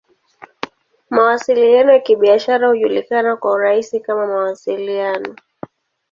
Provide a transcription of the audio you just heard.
Mawasiliano ya Kibiashara hujulikana kwa urahisi kama "Mawasiliano.